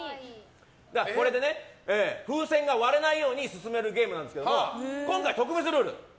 これでね、風船が割れないように進めるゲームなんですけど今回は特別ルール。